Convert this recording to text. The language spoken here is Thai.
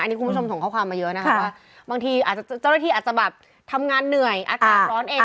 อันนี้คุณผู้ชมส่งข้อความมาเยอะนะคะว่าบางทีอาจจะเจ้าหน้าที่อาจจะแบบทำงานเหนื่อยอากาศร้อนเอง